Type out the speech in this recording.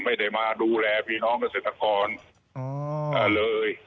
ไม่ได้มาดูแลพี่น้องเกษตรกรเลย